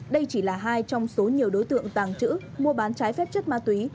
đây chỉ là hai trong số nhiều đối tượng tàng trữ mua bán trái phép chất ma túy